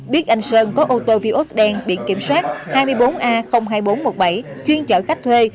biết anh sơn có ô tô vios đen biện kiểm soát hai mươi bốn a hai nghìn bốn trăm một mươi bảy chuyên chở khách thuê